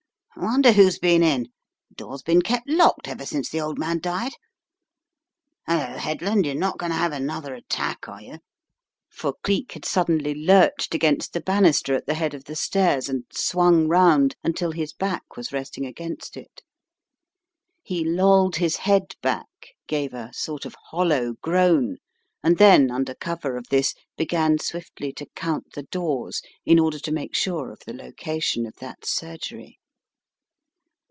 "Wonder who's been in? Door's been kept locked ever since the old man died. Hullo, Head land, you're not going to have another attack, are 184 The Riddle of the Purple Emperor you?" For Cleek had suddenly lurched against the bannister at the head of the stairs, and swung round, until his back was resting against it. He lolled his head back, gave a sort of hollow groan, and then under cover of this began swiftly to count the doors in order to make sure of the location of that surgery.